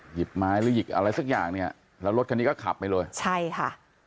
หยิบไม้หรือหยิบอะไรสักอย่างเนี่ยแล้วรถคันนี้ก็ขับไปเลยใช่ค่ะ